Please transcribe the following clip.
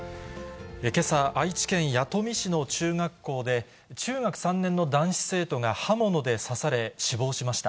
けさ、愛知県弥富市の中学校で、中学３年の男子生徒が刃物で刺され、死亡しました。